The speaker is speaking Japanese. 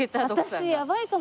私やばいかも。